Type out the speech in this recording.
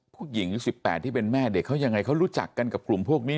ผู้หญิงอายุ๑๘ที่เป็นแม่เด็กเขายังไงเขารู้จักกันกับกลุ่มพวกนี้